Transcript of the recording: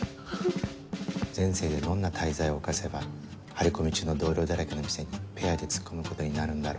前世でどんな大罪を犯せば張り込み中の同僚だらけの店にペアで突っ込むことになるんだろう。